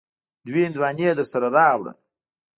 دوې هندواڼی درسره راوړه.